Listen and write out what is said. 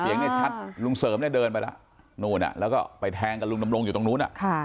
เสียงเนี่ยชัดลุงเสริมเนี่ยเดินไปแล้วนู่นแล้วก็ไปแทงกับลุงดำรงอยู่ตรงนู้น